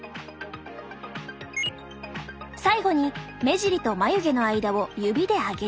最後に目尻と眉毛の間を指で上げる。